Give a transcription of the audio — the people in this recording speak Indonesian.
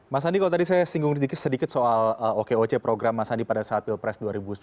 mas andi kalau tadi saya singgung sedikit soal okoc program mas andi pada saat pilpres dua ribu sembilan belas